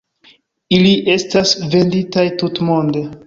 Ili estas venditaj tutmonde.